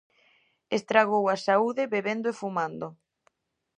Estragou a saúde bebendo e fumando.